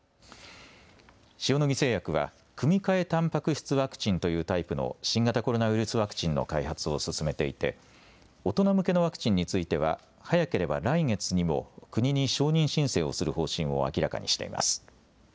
塩野義製薬は組み換えたんぱく質ワクチンというタイプの新型コロナウイルスワクチンの開発を進めていて大人向けのワクチンについては早ければ来月にも国に承認申請をする方針を明らかにしています。